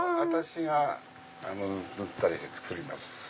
私が塗ったりして作ります。